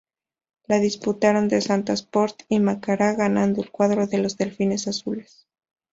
La disputaron el Manta Sport y Macará, ganando el cuadro de los delfines azules.